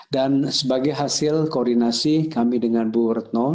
dan sebagai hasil koordinasi kami dengan bu rekam